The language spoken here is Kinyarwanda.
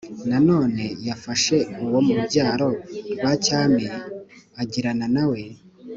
d Nanone yafashe uwo mu rubyaro rwa cyami e agirana na we